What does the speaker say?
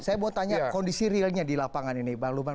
saya mau tanya kondisi realnya di lapangan ini bang lukman